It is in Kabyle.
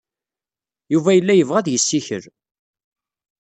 Yuba yella yebɣa ad yessikel.